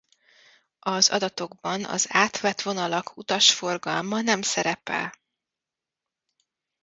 Az adatokban az átvett vonalak utasforgalma nem szerepel.